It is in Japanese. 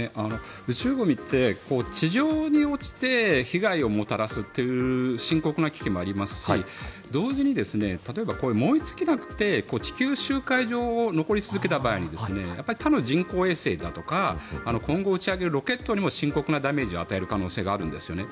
宇宙ゴミって地上に落ちて被害をもたらすという深刻な危機もありますし同時に例えば、こういう燃え尽きなくて地球周回上に残り続けた場合に他の人工衛星だとか今後、打ち上げるロケットにも深刻なダメージを与える可能性があるんですね。